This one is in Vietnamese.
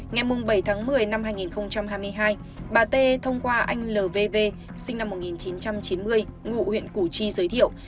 ngày bảy một mươi hai nghìn hai mươi hai bà tê thông qua anh lvv sinh năm một nghìn chín trăm chín mươi ngụ huyện củ chi giới thiệu